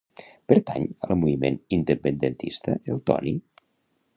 Pertany al moviment independentista el Toni?